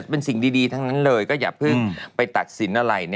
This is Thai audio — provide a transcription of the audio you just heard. เป็นสิ่งดีทั้งนั้นเลยก็อย่าเพิ่งไปตัดสินอะไร